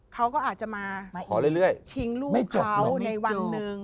เขาก็อาจจะมาขอเรื่อยชิงลูกเขาในวันหนึ่ง